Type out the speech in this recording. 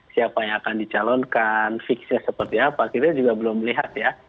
siapa yang akan dicalonkan fixnya seperti apa kita juga belum lihat ya